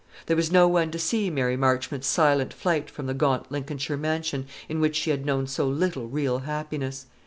There was no one to see Mary Marchmont's silent flight from the gaunt Lincolnshire mansion in which she had known so little real happiness.